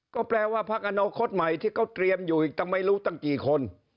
ก็แปลว่าพักอนาคตใหม่ที่เขาเตรียมอยู่อีกตั้งไม่รู้ตั้งกี่คน